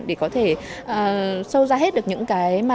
để có thể sâu ra hết được những cái